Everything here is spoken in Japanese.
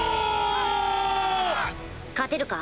勝てるか？